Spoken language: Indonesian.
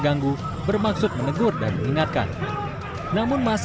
aku kata salah sih aku nggak apa apa mas